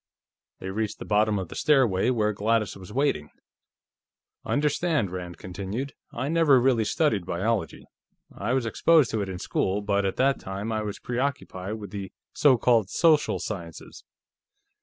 They reached the bottom of the stairway, where Gladys was waiting. "Understand," Rand continued, "I never really studied biology. I was exposed to it, in school, but at that time I was preoccupied with the so called social sciences."